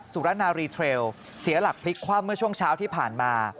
สุรนารีเทรลเสียหลักพลิกคว่ำเมื่อช่วงเช้าที่ผ่านมา